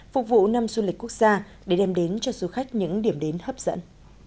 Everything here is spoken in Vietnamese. phục vụ năm du lịch quốc gia để đem đến cho du khách những điểm đến hấp dẫn